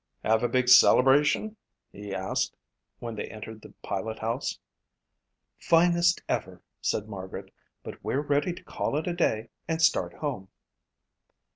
"Have a big celebration?" he asked when they entered the pilot house. "Finest ever," said Margaret, "but we're ready to call it a day and start home."